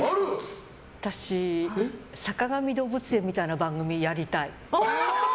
私、「さかがみ動物園」みたいな番組やりたい。